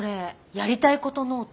やりたいことノート？